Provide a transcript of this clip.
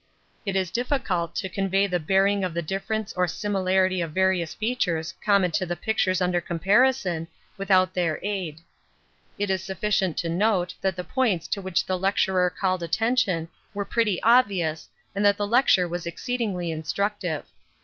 It is difficult to convey the bearing of the difference or similarity of various features common to the pictures under comparison without their aid. It is sufficient to note that the points to which the lecturer called attention were pretty obvious and that the lecture was exceedingly instructive.